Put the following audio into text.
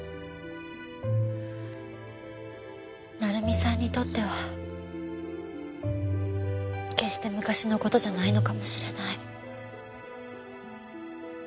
成美さんにとっては決して昔の事じゃないのかもしれない。